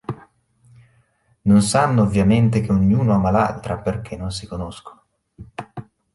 Non sanno ovviamente che ognuno ama l'altra, perché non si conoscono.